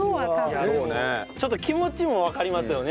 いやでもちょっと気持ちもわかりますよね。